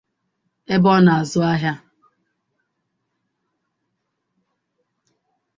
ebe ọ nọ azụ ahịa.